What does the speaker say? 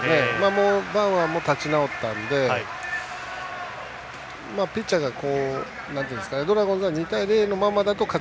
もうバウアーも、立ち直ったのでピッチャーがドラゴンズが２対０のままだと勝ち